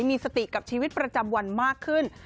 มีสติกับชีวิตประจำวันมากขึ้น